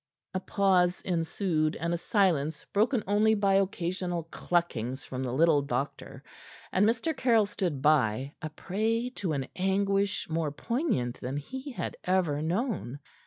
A pause ensued, and a silence broken only by occasional cluckings from the little doctor, and Mr. Caryll stood by, a prey to an anguish more poignant than he had ever known.